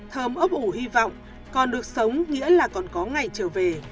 thơm ấp ủ hy vọng còn được sống nghĩa là còn có ngày trở về